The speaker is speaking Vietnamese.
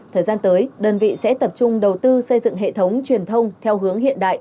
thời gian tới đơn vị sẽ tập trung đầu tư xây dựng hệ thống truyền thông theo hướng hiện đại